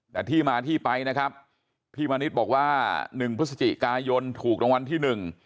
แต่ที่มาที่ไปนะครับพี่มณิชย์บอกว่า๑พฤศจิกายนถูกรางวัลที่๑